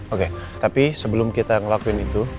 oke tapi sebelum kita ngelakuin itu